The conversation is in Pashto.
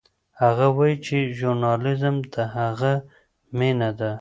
هغه وایي چې ژورنالیزم د هغه مینه ده.